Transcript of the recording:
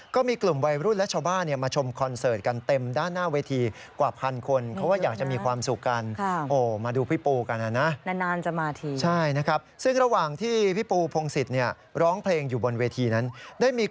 ก็มีกลุ่มวัยรุ่นและชาวบ้านมาชมคอนเสอร์ตกันเต็มด้านหน้าเวที